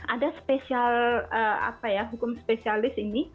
ada hukum spesialis ini